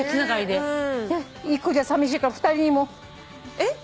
で一個じゃさみしいから２人にも。えっ？